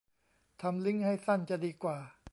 ทำลิงก์ให้สั้นจะดีกว่า